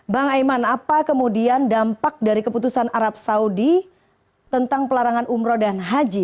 bang aiman apa kemudian dampak dari keputusan arab saudi tentang pelarangan umroh dan haji